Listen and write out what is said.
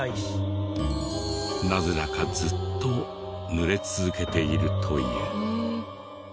なぜだかずっと濡れ続けているという。